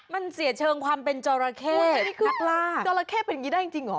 มันเสียเชิงความเป็นจอราเข้นี่คือจราเข้เป็นอย่างนี้ได้จริงเหรอ